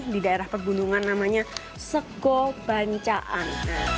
di daerah pegunungan namanya sego bancaan